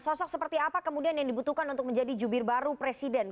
sosok seperti apa kemudian yang dibutuhkan untuk menjadi jubir baru presiden